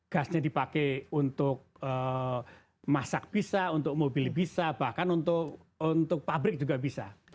gasnya dipakai untuk masak bisa untuk mobil bisa bahkan untuk pabrik juga bisa